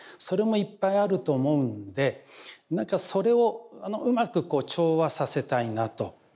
それもいっぱいあると思うんでなんかそれをうまく調和させたいなと。